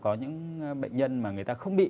có những bệnh nhân mà người ta không bị